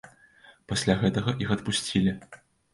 Пасля гэтага іх адпусцілі.